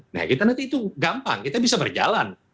nah kita nanti itu gampang kita bisa berjalan